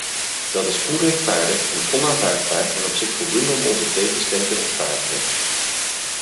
Dat is onrechtvaardig en onaanvaardbaar en op zich voldoende om onze tegenstem te rechtvaardigen.